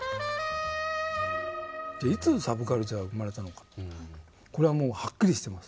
じゃあいつサブカルチャー生まれたのかこれはもうはっきりしてます。